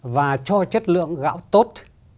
và cho chất lượng gạo tốt